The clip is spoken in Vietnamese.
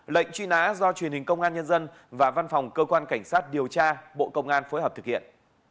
lệnh truy nã do truyền hình công an nhân dân và văn phòng cơ quan cảnh sát điều tra bộ công an phối hợp thực hiện